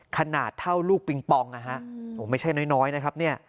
ขนาดเท่าลูกปริงปองไม่ใช่น้อยนะครับ